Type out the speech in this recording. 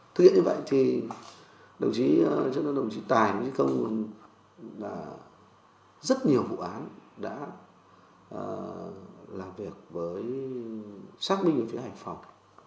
thực hiện như vậy thì đồng chí trân đông đồng chí tài đồng chí công là rất nhiều vụ án đã làm việc với xác minh ở phía hải phòng